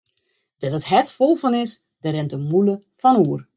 Dêr't it hert fol fan is, dêr rint de mûle fan oer.